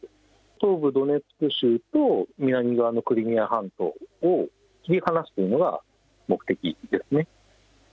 東部ドネツク州と南側のクリミア半島を切り離すというのが目的ですね。